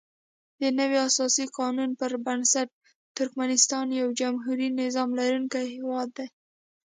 دنوي اساسي قانون پر بنسټ ترکمنستان یو جمهوري نظام لرونکی هیواد دی.